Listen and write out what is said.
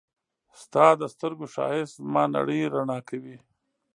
ستا د سترګو ښایست زما نړۍ رڼا کوي.